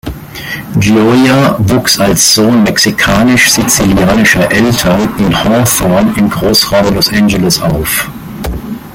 Gioia wuchs als Sohn mexikanisch-sizilianischer Eltern in Hawthorne im Großraum Los Angeles auf.